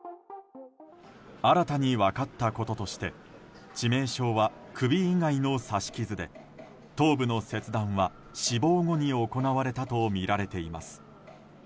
新たに分かったこととして致命傷は首以外の刺し傷で頭部の切断は死亡後に行われたとみられています。